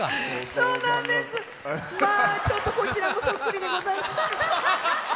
ちょっとこちらもそっくりでございます。